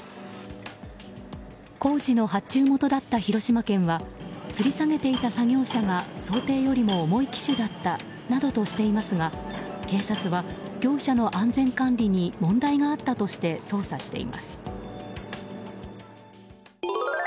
工事の発注元だった広島県はつり下げていた作業車が想定よりも重い機種だったなどとしていますが警察は業者の安全管理に問題があったとして捜査しています。